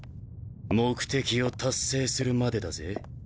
目的を達成するまでだぜ